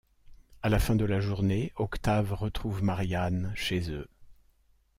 À la fin de la journée, Octave retrouve Marianne, chez eux.